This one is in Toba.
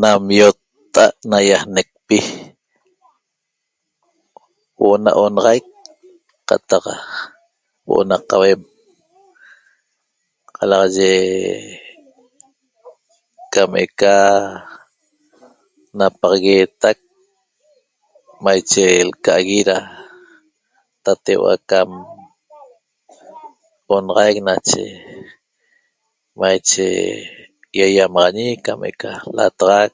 Nam iotta'at naiaanecpi huo'o na onaxaic qataq huo'o na qauem qalaxaye cam eca napaxaguetac maiche lcagui ra tateua' cam onaxaic nache maiche iaiamaxañi cam eca lataxac